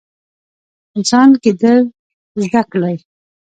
انسان کیدل زده کړئ